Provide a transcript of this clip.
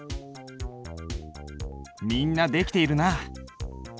みんなできているな。